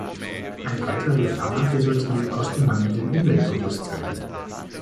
Eine weitere Gefahr resultiert aus dem mangelnden Umweltbewusstsein.